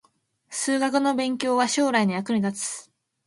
数学の勉強は将来の役に立つ